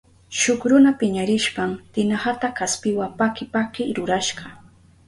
Shuk runa piñarishpan tinahata kaspiwa paki paki rurashka.